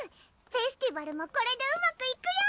フェスティバルもこれでうまくいくよ！